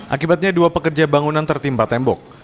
akibatnya dua pekerja bangunan tertimpa tembok